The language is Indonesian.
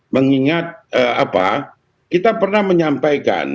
mengingat kita pernah menyampaikan